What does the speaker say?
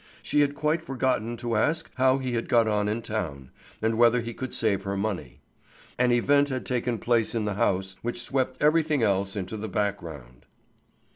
She had quite forgotten to ask how he had got on in town, and whether he could save her money. An event had taken place in the house which swept everything else into the background.